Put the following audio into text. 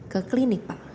ke klinik pak